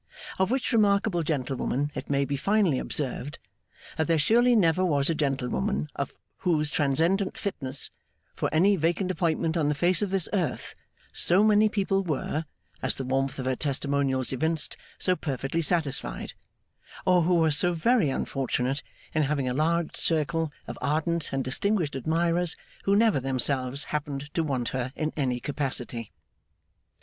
Of which remarkable gentlewoman it may be finally observed, that there surely never was a gentlewoman of whose transcendent fitness for any vacant appointment on the face of this earth, so many people were (as the warmth of her Testimonials evinced) so perfectly satisfied or who was so very unfortunate in having a large circle of ardent and distinguished admirers, who never themselves happened to want her in any capacity.